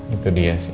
itu dia sih